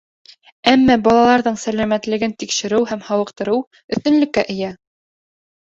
Әммә балаларҙың сәләмәтлеген тикшереү һәм һауыҡтырыу өҫтөнлөккә эйә.